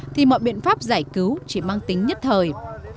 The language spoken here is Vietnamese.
thì mọi biện pháp giải cứu chỉ mang tính nhất thời